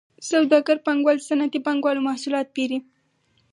سوداګر پانګوال د صنعتي پانګوالو محصولات پېري